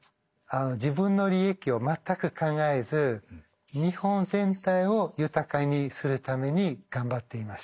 自分の利益を全く考えず日本全体を豊かにするために頑張っていました。